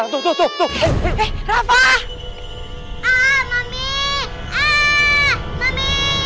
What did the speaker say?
itu itu mami